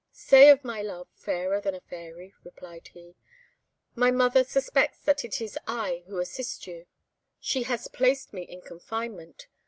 "Say of my love, Fairer than a Fairy," replied he. "My mother suspects that it is I who assist you: she has placed me in confinement.